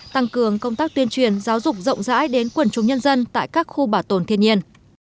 tăng cường công tác tuyên truyền giáo dục rộng rãi đến quần chúng nhân dân tại các khu bảo tồn thiên nhiên